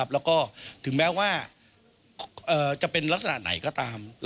แล้วก็ถึงแม้ว่าจะเป็นลักษณะไหนก็ตาม